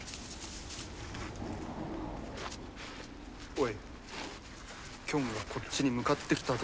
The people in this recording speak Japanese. おいキョンがこっちに向かってきたぞ。